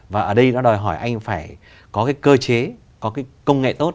và ở đây nó đòi hỏi anh phải có cái cơ chế có cái công nghệ tốt